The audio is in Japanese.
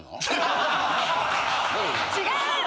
違う！